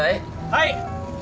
はい！